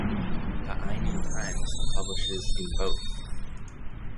The "Ainu Times" publishes in both.